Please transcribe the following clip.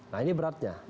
nah ini beratnya